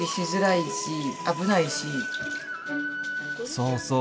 そうそう！